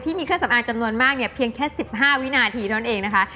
ที่มีเครื่องสำอางจำนวนมากเพียงแค่๑๕วินาทีนั่นเองนะคะ